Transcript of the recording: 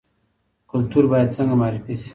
کلتور باید څنګه معرفي شي؟